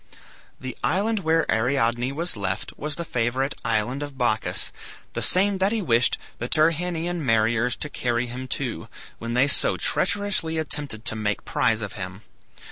The island where Ariadne was left was the favorite island of Bacchus, the same that he wished the Tyrrhenian mariners to carry him to, when they so treacherously attempted to make prize of him.